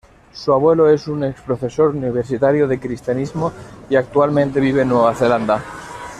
Su abuelo es un ex-profesor universitario de cristianismo y actualmente vive en Nueva Zelanda.